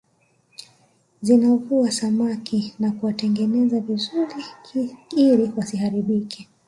Zinavua samaki na kuwatengeneza vizuri ili wasiharibike